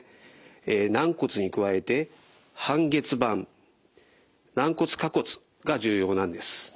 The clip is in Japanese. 軟骨に加えて半月板軟骨下骨が重要なんです。